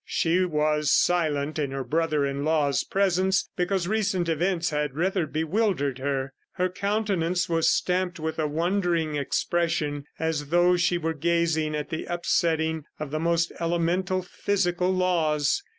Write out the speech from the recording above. ... She was silent in her brother in law's presence because recent events had rather bewildered her. Her countenance was stamped with a wondering expression as though she were gazing at the upsetting of the most elemental physical laws.